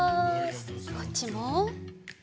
こっちも。